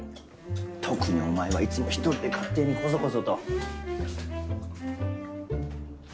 特にお前はいつも１人で勝手にコソコソと。